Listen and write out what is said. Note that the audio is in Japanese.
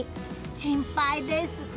心配です。